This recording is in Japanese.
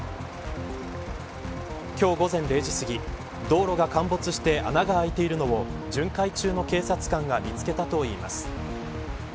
今日午前０時すぎ道路が陥没して穴が開いているのを巡回中の警察官が見つけたといいます。